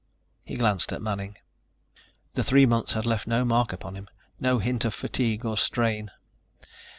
He glanced at Manning. The three months had left no mark upon him, no hint of fatigue or strain.